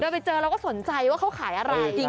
ไปเจอเราก็สนใจว่าเขาขายอะไรจริง